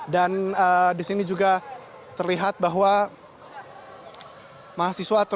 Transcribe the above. dan di sini juga terlihat bahwa mahasiswa terus berusaha mencari cara bagaimana bisa membekukan polisi seperti itu